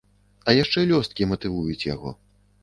А яшчэ лёсткі матывуюць яго.